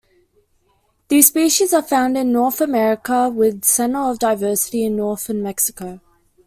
These species are found in North America, with center of diversity in northern Mexico.